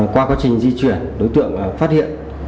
qua quá trình di chuyển đối tượng phát hiện